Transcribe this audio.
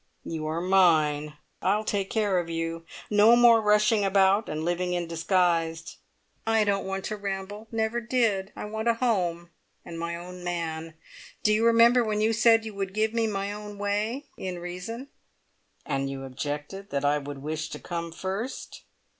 "You are mine! I'll take care of you. No more rushing about, and living in disguise." "I don't want to ramble. Never did! I want a home, and my own man. Do you remember when you said you would give me my own way in reason?" "And you objected that I would wish to come first?